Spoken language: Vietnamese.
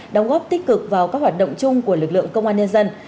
đóng góp tích cực vào các hoạt động chung của lực lượng công an nhân dân